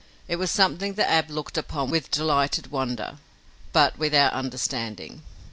It was something that Ab looked upon with delighted wonder, but without understanding.